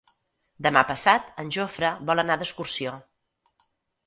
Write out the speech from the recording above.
Demà passat en Jofre vol anar d'excursió.